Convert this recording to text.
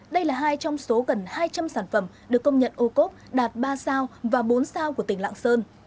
đây là hai trong số gần hai trăm linh sản phẩm được công nhận ô cốp đạt ba sao và bốn sao của tỉnh lạng sơn